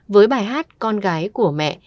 với bài hát con gái của mẹ